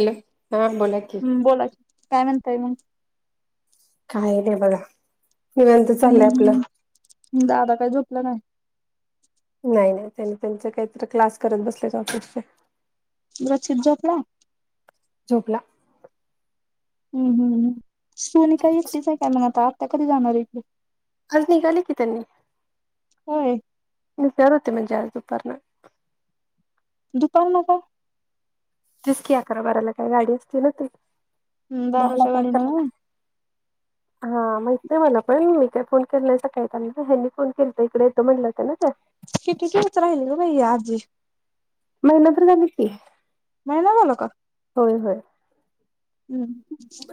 Hello हो बोला की हम्म बोला की काय म्हणताय मग काय नाही बघा निवांत चाललंय हम्म आपलं हम्म दादा काय झोपला काय? नाही नाही त्यांनी त्यांच काहीतरी क्लास करत बसल्यात ऑफिसचे [unintelligible] झोपलाय झोपला हम्म हम् सोनी काय एकटीच आहे का मग आता आता कधी जाणाराय इकड आज निघाली की त्यांनी होय. निघणार होते म्हणजे आज दुपारनं दुपारन का तीचकी अकरा बाराला काय गाडी असते ना ती हम्म दहा ला बाराच्या का गाडीन अकरा ला होय [inaudible] हा माहित आहे मला पण मी काय फोन केल्यां काही ह्यांनी फोन केला तर इकडे येतो म्हटलं ते ना ते किती दिवस राहिली ग बाई आजी महिना तर झाल की महिना झाला का? होय होय हम्म.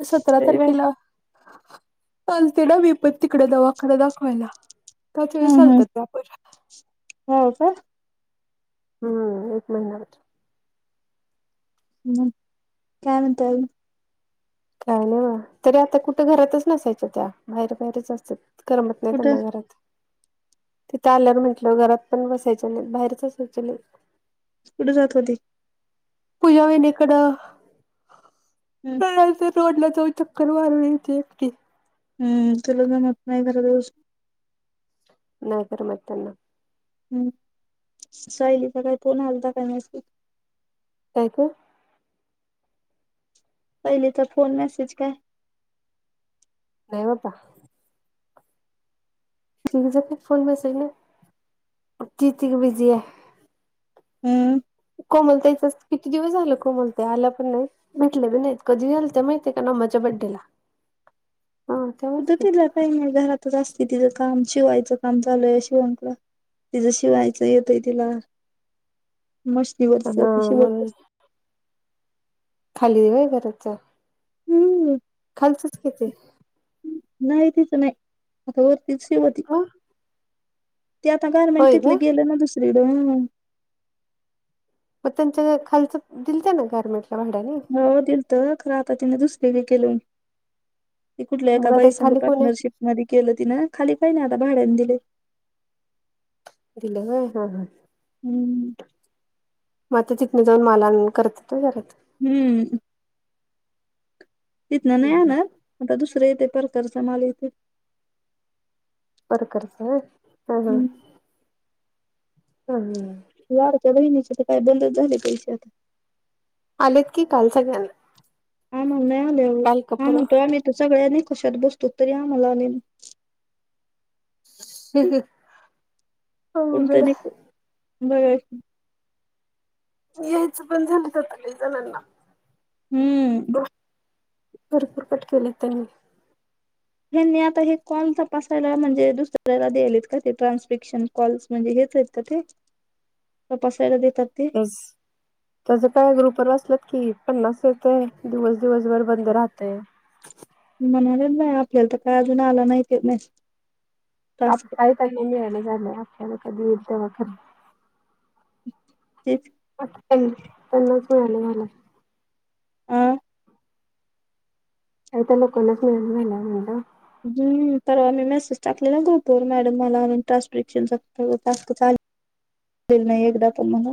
सतरा लई वेळ तारखेला चालते ना विपत तिकडे दवाखड दाखवायला त्याच वेळी हम्म हम्म. चालतात त्यापर हो का हम्म एक महिना ब मग काय म्हणत्याय काय नाही बा तरी आता कुठं घरातच नसायच्या त्या बाहेर बाहेरच असतात करमत नाही कुठं त्यांना घरात तिथं आल्यावर म्हटलं घरात पण बसायच नाहीत बाहेरच असायचे नाही कुठे जात होती पूजा हो इकडं हम्म रोडला जाऊ चक्कर मारूनयचे एकटे हम्म चल म मत नाही घरा दिवस नायकरर मना हम्म सायलीचा काय फोन आलता काय नसत कायक पहिलेचा फोन मेसेज काय नाही होता ठीक फोन बस ना त तक बिझी आहे हम्म कोमलतायच किती दिवस झाल कोमलता आलं पण नाही भेटले बी नाहीत कधीेल ते माहितीय का नामाच्या बड्डेला हा उद तेव्हाच की त ला काही नाही घरातच असते तिचं काम शिवायचं काम चालूय अशी म्हंटलं तिज शिवायचं येतय तिला मशनिवरचं ति हा शिवत म्हणून बसत्या खाली देवाय घरातचा हम्म खालचच कि ते नाही तिच नाही आता वरतीच शेवती ह ते आता गारमेंट तिली गेले ना दुसरकून मग त्यांच्या खालच दिलत ना गारमेंटला भाड्याने हो दिल तर खरं आता तिने दुसरीक केलं ती कुठल्या मग एका आता बाई संांग खाली कोण आहे पार्टनरशिप मध्येे केलं ति ना खाली काही नाही आता भाड्यानी दिले तला हय हा हा हम्म म ते तिकने जाऊन मला करतलात हम्म तिथन नाही आणत आता दुसरं येते परकरचा मालेते पर कर्स हा हा हम्म हम ह लाडक्या बहिणीच्या तर काय बंदच झाले पैसे आता आलेत की काल सग आले हा म्हण नाही आले हा परवा म्हणतो आम्ही त सगळ्या निकषात बसतो तरी आम्हाला आलेल हम् हम पण त्यांनी बघाय यायचं पण झालं तर तला जणांना हम्म भरपुरपट केलेत त्यांनी हे आता हे कॉल तपसायला म्हणजे दुसऱ्याला द्याले आहेत का ते ट्रान्सपिक्शन कॉल्स म्हणजे हेच आहेत का ते त पसयला देतती ह त्याचं काय ग्रुपर बचलत की पन्नास येतय दिवस दिवसभर बंद राहतं म्हणाले नाही आपल्याला तर काय अजून आला नाही ते नाहीस आप काही का न्यायलं झालं आपल्याला कधी येईल तेव्हा खर तेच त्यां त्यांनाच मिळाले झाला अ या तर लोकांनाच मिळत झाला म्हणलं हम्म पर मी मेसेज टाकले ना ग्रुप वर मॅडम मला म्ह ट्रान्ट्रिक्शन टास्क चाले दि नाही एकदा पण मग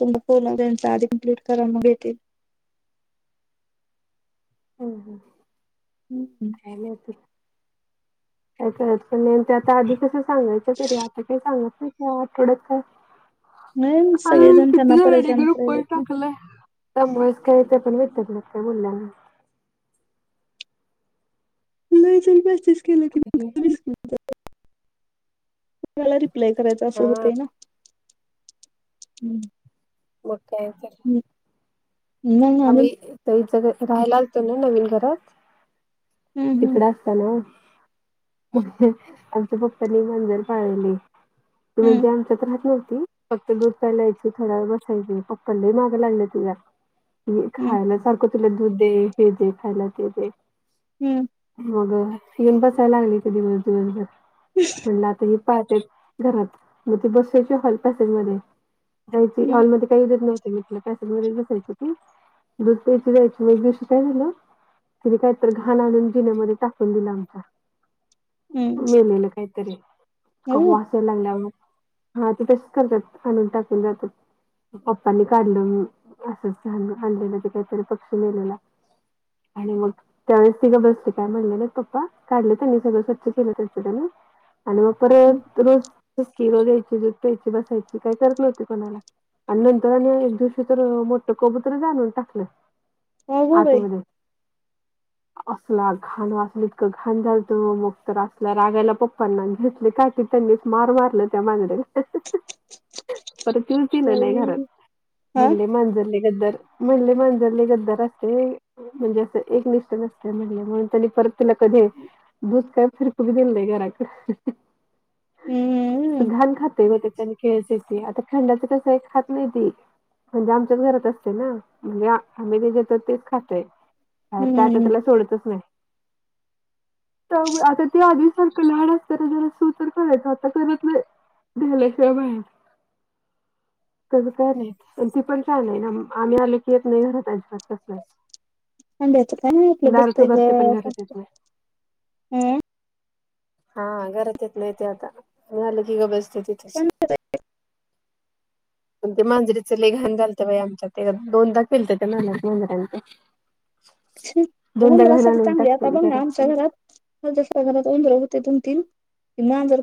तुम फ त्यांच्या आधी इम्प्लट करा मगेतील हम हम हम् हम् मथर काय कचं नाही आता आधी कसं सांगायचं तरी आता काही सांगत नाही क आठवड्यात का नाही का सगळेजण त्यांना तुझ वेडी परेशान ग्रुप व करायलेत ना. टाकलंय त्यामुळेच काय ते पण विितत काय मुल्यांना नाही चल पस्तीस केलं क ह [inaudible] मला रिप्लाय करायचा असं हा होतय ना बग कायच ह आम्ही त ज राहायला असतो ना नवीन घरात हम्म हम्म तिकड्या ना आमच्या पप्पनी मांजर पाळली तुज हम्म त राहत नव्हती फक्त दूध प्यायची थोडा वेळ बसायची पप पपले मागे लागले तुझ्या हम्म खायला सारखं तुला दूध दे हे दे खायला ते दे हम्म मग येऊन बसायला लागली कधी वर्व ह् पाहत घरात मग ती बसायची हॉल पॅसेज मध्ये जायची हम्म हॉलमध्ये काही द नव्हते मीलं कॅस वगैरे बसायचे दूध प्यायची जायची म दिवशी काय झालं तिने काहीत घाण आणून जिण्यामध्ये टाकून दिला आमचा हम्म मेलेलं काहीतरी अगो ल्या हा ते तसेच करतात आणून टाकून जातात पप्पांनी काढलं असं आणलेलं ते काहीतरी पक्षी मेलेला आणि मग त्यावेळेस तिघं बसते काय म्हणलेलं पप्पा काढले त्यांनी सगळं स्वच् केलं त्या सुद्ध ना आणि मग परत रोज सुकी रोज या्यायची दूध प्यायची बसायची काय करत नव्हती कोणाला आणि नंतर एक दिवशी तर मोठ कबुतर जाणून टाकलं अगो बाई आतमध्ये असला खाण असलं इतकं घाण झालत मग तर असला रागायला पप्पांना घेतले काय त्यांनीच मार मारलं त्या माांगर पर त तलं नाही घरात बाई हा म्हणले मांजर गद्दर म्हल्ली मांजले गद्दर असते म्हणजे असं एक निषठ नसत म्हणजे म्हणून त्यानी परत तुला कधी दुसका फिरपघ दिनला घराच हम्म घान खाते केस एसी आता खंडाच कसं खात नाहीती म्हणजे आमच्याच घरातच ना म्हणजे आम्ही जे जेतो तेच खातय बाहेर काय आता त्याला हम्म सोडतच नाही [inaudible] आता ते आधीसारखं लहान असतं त्याला सुूतर करायच आता कत नाही [unintelligible] कस काय नाही त्याचं पण चालू आहे ना म आम्ही आले की येत नाही [unintelligible] दारू भरते पण घरात येत नाही. [unintelligible] हा घरात येत नाही ते आता झालं की गप बस पण [unintelligible] अन ते मांजरीच लय घाण झालत बाई आमच्यात ते दोनदा फिलत त्या न [unintelligible] उंदरा साठी आणून चांगली आता टाकलेली बघ ना घरात आमच्या सगळी. घरात [unintelligible] घरात उंदीर होते दोन तीन कि मांजर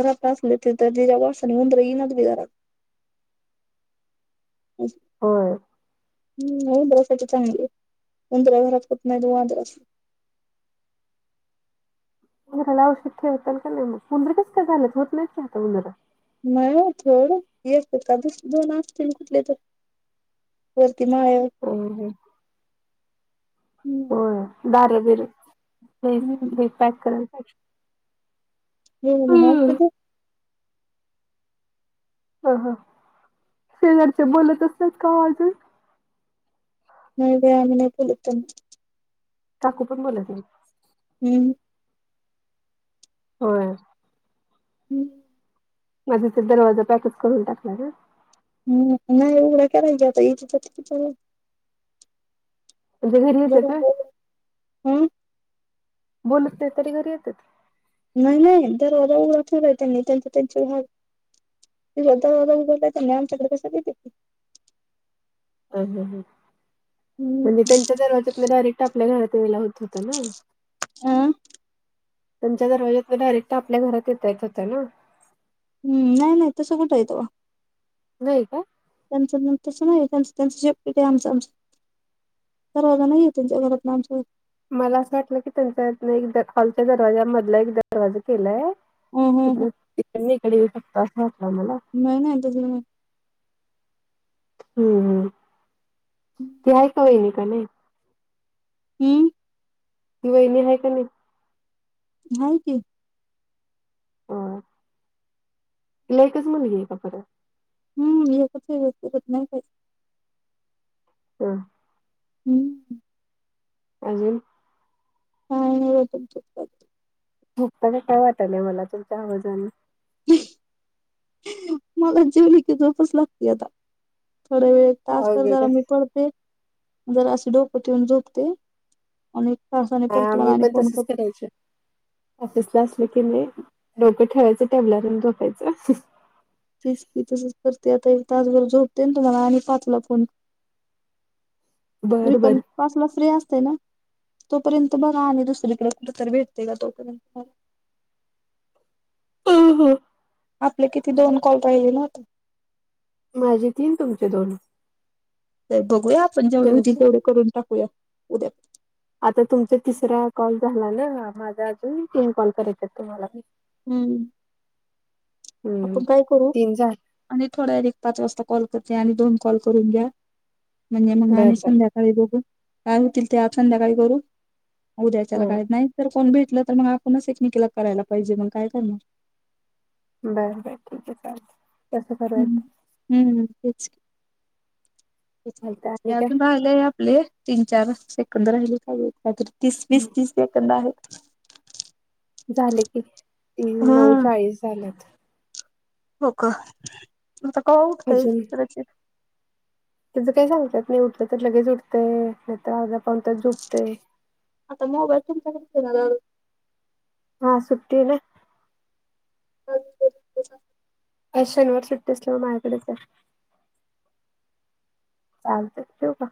घरात असला तर त्याचा वासानी उंदर येई ना झाली घरात हम् होय. [unintelligible] चांगली उंदरा घरात कुठ नाय ते मांजर उंदरा ला औषध ठेवतल का नाही मग उंदीर कस काय झालंत होत नाही क आता उंदरा मग थोड [unintelligible] दोन असतील कुठले तर वरती माळ्यावर हम्म हम्म. हम्म. होय दार बिर ही हम्म ही पॅक करायला पाहिजे [unintelligible] हा हा शेजारच्या बोलत असतात का हो अजून नाही बाई आम्ही नाही बोलत त्यांच्या काकू पण बोलत नाहीत हम्म. होय. हम्म. म्हणजे ते दरवाजा पॅकेच करून टाकलाय ना हम् नाही उघडा करायची आता [unintelligible] म्हणजे घरी येतात व्हय. बरोबर हम्म. बोलत नाही तरी घरी येतात नाही नाही दरवाजा उघडा ठेवलाय त्यांनी त्यांच त्यांची घर ते काय दरवाजा उघडलाय तर आमच्याकडे कसं काय [unintelligible] अह हा हा म्हणजे हम्म त्यांच्या दरवाज्यातन आपला डायरेक्ट आपल्या घरात यायला होत होता ना हम्म. त्यांच्या दरवाज्यातन डायरेक्ट आपल्या घरात येता येत होत ना हम् नाही नाही तसं कुठं हाय तवा नाय का? त्यांचं तसं नाही त्यांच त्यांचं [unintelligible] आमचं आमचं दरवाजा नाही आहे त्यांच्या घरातन आमच्या मला असं वाटलं की त्यांच्या एक हॉलच्या दरवाजा मधला एक दरवाजा केलाय हं [unintelligible] हं हं असं वाटलं होत मला नाही नाही त्तसं नाय हम्म हम्म ते हाय का वाहिनी का नाही? हम्म. ती वहिणी आहे का नाही? हाय की हा. तिला एकच मुलगी आहे का परत? हम् एकच मुलगी आहे परत नाही काही हा. हम्म. अजून [unintelligible] [unintelligible] वाटलय मला तुमच्या आवाजाने. मला जेवल की झोपच लागते आता थोड्या वेळ तासभर जरा मी पडते जरा अशी डोकं ठऊन झोपते. आणि एक ताासने पर हा तुम्हाला आणि फोन करत. ऑफिस ला असलं की नाही डोकं ठेवायचं टेबलावर आणि झोपायचं. तेच की तसच करते आता एक तासभर झोपते आणि तुम्हाला आणि पाचला फोन बर बर [unintelligible] पाचला फ्री असते ना तोपर्यंत बघा आणि दुसरीकडे कुठ तर भेटते का तोपर्यंत हा हा. आपले किती दोन कॉल राहिले ना आता माझे तीन तुमचे दोन बघूया आपण जेवढे होतील तुमचे तेवढे करून टाकूया उद्या आता तुमचा तिसरा कॉल झाला ना माझा अजून तीन कॉल करायचा आहेत तुम्हाला मी हम्म. आपण काय करू तीन झाले आणि थोडा एक पाच वाजता कॉल करते आणि दोन कॉल करून घ्या. म्हणजे मग आणि बर बर संध्याकाळी बघून काय होतील ते आप संध्याकाळी करू. उद्याच्याला हं. काही नाही तरर कोण भेटलं तर मग आपणच एकमेकीला करायला पाहिजे मग काय करणार. बर बर ठीक आहे चालेल कसं हम्म करूयाेत. हम्म तेच चालतं ते आणि अजून काय राहिलेय आपले. तीन चार सेकंद राहिले पाहिजे काहीतरी तीस वीस तीस सेकंद आहेत. झाले की हम्म नऊचाळीस झालेत. हो का का उठतय अजून कदाित. त्याचं काही सांगतात नाही उठलं तर लगेच उठते नाही तर अ कोणतच झुपते. आता मोबाईल प हा सुट्टी आहे ना. [unintelligible] आज शनिवार सुट्टी असल्यामूळ माझ्याडेच आहे. चालते ठेव का?